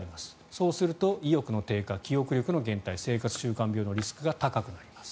そうすると意欲の低下記憶力の減退生活習慣病のリスクが高くなります。